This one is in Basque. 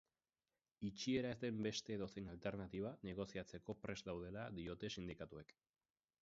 Itxiera ez den beste edozein alternatiba negoziatzeko prest daudela diote sindikatuek.